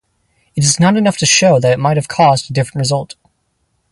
It is not enough to show that it might have caused a different result.